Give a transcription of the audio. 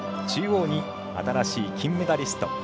中央に新しい金メダリスト